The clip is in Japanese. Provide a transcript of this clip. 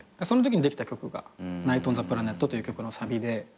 そのときにできた曲が『ナイトオンザプラネット』という曲のサビで。